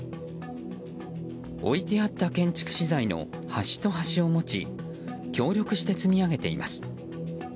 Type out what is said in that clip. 置いてあった建築資材の端と端を持ち協力して積み上げています。